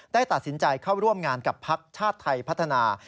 ได้ตัดสินใจเข้าร่วมงานกับพักชาติไทยพัฒนา